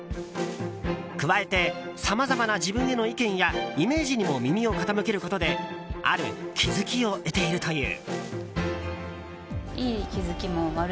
加えてさまざまな自分への意見やイメージにも耳を傾けることである気付きを得ているという。